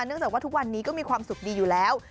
จากว่าทุกวันนี้ก็มีความสุขดีอยู่แล้ว